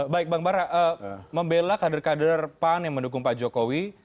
baik bang bara membela kader kader pan yang mendukung pak jokowi